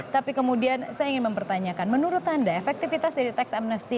tapi kemudian saya ingin mempertanyakan menurut anda efektivitas dari tax amnesty